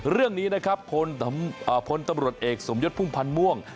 เรื่องนี้นะครับพลตำรวจเอกสมยศพุ่มพันธ์ม่วง